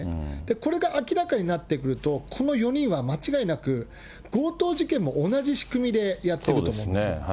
これが明らかになってくると、この４人は間違いなく、強盗事件も同じ仕組みでやってると思うんですよ。